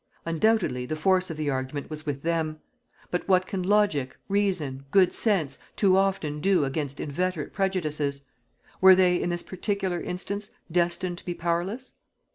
Undoubtedly, the force of the argument was with them. But what can logic, reason, good sense, too often do against inveterate prejudices? Were they, in this particular instance, destined to be powerless?